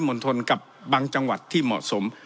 กรุงเทพมหานครและปริมณฑลกับบางจังหวัดที่เหมาะสม